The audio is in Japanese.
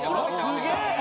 すげえ！